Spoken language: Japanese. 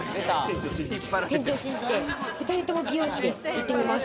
店長を信じて、２人とも美容師でいってみます。